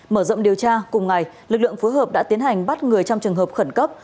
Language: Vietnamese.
mở rộng điều tra cùng ngày lực lượng phối hợp đã tiến hành bắt người trong trường hợp khẩn cấp